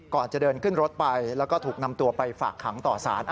ก่อนจะเดินขึ้นรถไปแล้วก็ถูกนำตัวไปฝากขังต่อสาร